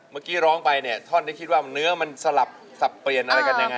เมื่อกี้ร้องไปเนี่ยท่อนที่คิดว่าเนื้อมันสลับสับเปลี่ยนอะไรกันยังไง